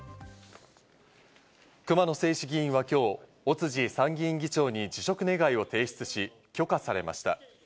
熊野正士議員は今日、尾辻参議院議長に辞職願を提出し、許可されました。